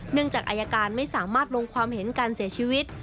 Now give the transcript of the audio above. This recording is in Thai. จากอายการไม่สามารถลงความเห็นการเสียชีวิต